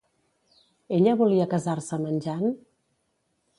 Ella volia casar-se amb en Jan?